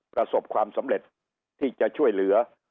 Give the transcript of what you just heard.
ประสบความสำเร็จที่จะช่วยเหลือ